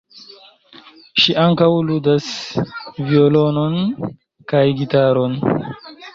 Ŝi ankaŭ ludas violonon kaj gitaron.